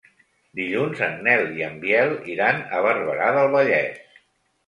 Dilluns en Nel i en Biel iran a Barberà del Vallès.